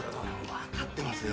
わかってますよ。